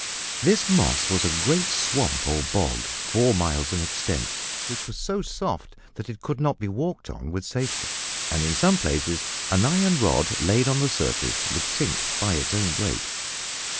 This moss was a great swamp or bog, four miles in extent, which was so soft that it could not be walked on with safety, and in some places an iron rod laid on the surface would sink by its own weight.